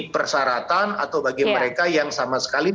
persyaratan atau bagi mereka yang sama sekali